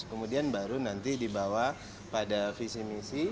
kemudian baru nanti dibawa pada video